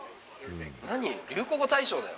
何、流行語大賞だよ。